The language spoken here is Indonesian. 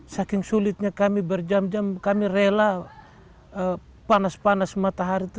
saking sulitnya kami berjam jam kami rela panas panas matahari itu